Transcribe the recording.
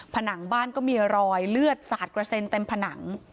ผนังบ้านก็มีรอยเลือดสาดกระเซ็นเต็มผนัง